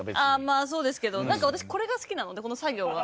まあそうですけどなんか私これが好きなのでこの作業が。